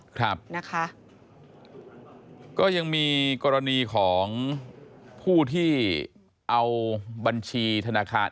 ก็ยังมีกรณีของผู้ที่เอาบัญชีธนาคาร